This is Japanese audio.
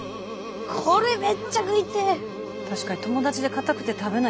これめっちゃ食いてえ！